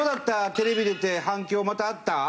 テレビ出て反響またあった？